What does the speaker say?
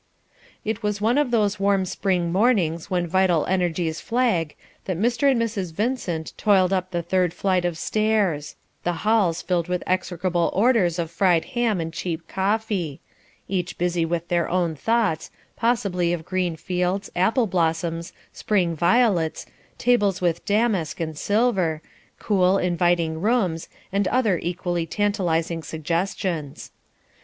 It was one of those warm spring mornings when vital energies flag, that Mr. and Mrs. Vincent toiled up the third flight of stairs; the halls filled with execrable odours of fried ham and cheap coffee; each busy with their own thoughts, possibly of green fields, apple blossoms, spring violets, tables with damask and silver, cool, inviting rooms, and other equally tantalising suggestions.